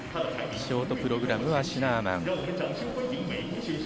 ショートプログラムは『シナ―マン』。